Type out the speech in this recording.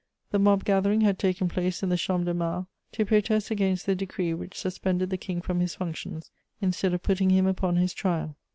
The mob gathering had taken place in the Champ de Mars, to protest against the decree which suspended the King from his functions instead of putting him upon his trial.